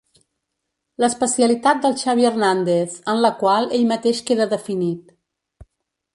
L'especialitat del Xavi Hernández en la qual ell mateix queda definit.